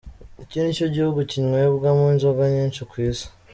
Iki nicyo gihugu kinywebwamo inzoga nyinshi ku isi